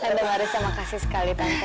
tante marisa makasih sekali tante